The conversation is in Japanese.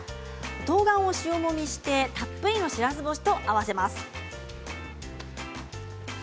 とうがんを塩もみしてたっぷりのしらす干しと合わせます。